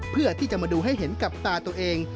เพื่อที่จะมาดูให้เห็นกับตาตัวเอง